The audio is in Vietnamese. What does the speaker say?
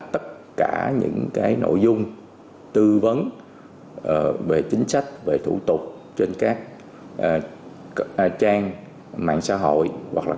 tất cả những nội dung tư vấn về chính sách về thủ tục trên các trang mạng xã hội hoặc là